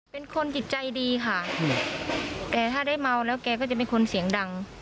เป็นคนจิตใจดีค่ะแต่ถ้าได้เมาแล้วแกก็จะเป็นคนเสียงดัง